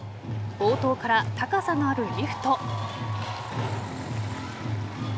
冒頭から高さのあるリフト。